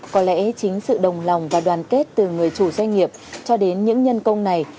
có lẽ chính sự đồng lòng và đoàn kết từ người chủ doanh nghiệp cho đến những nhân công này